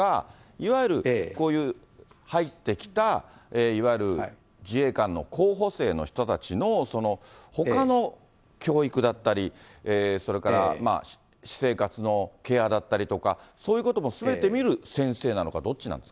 いわゆるこういう入ってきた、いわゆる自衛官の候補生の人たちのほかの教育だったり、それから私生活のケアだったりとか、そういうこともすべて見る先